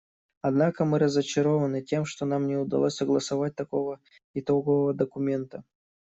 Однако мы разочарованы тем, что нам не удалось согласовать такого итогового документа.